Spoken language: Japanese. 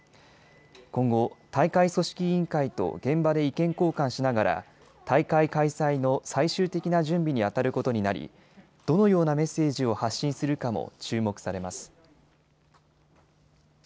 今後、大会組織委員会と現場で意見交換しながら大会開催の最終的な準備にあたることになりどのようなメッセージを発信するかも注目されます。